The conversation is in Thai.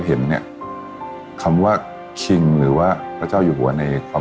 แต่ตอนเด็กก็รู้ว่าคนนี้คือพระเจ้าอยู่บัวของเรา